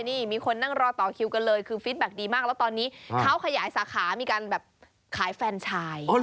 นี่มีคนนั่งรอต่อคิวกันเลยคือฟิตแบ็คดีมากแล้วตอนนี้เขาขยายสาขามีการแบบขายแฟนชาย